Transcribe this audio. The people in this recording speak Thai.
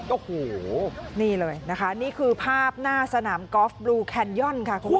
โอ้โหนี่เลยนะคะนี่คือภาพหน้าสนามกอล์ฟบลูแคนย่อนค่ะคุณผู้ชม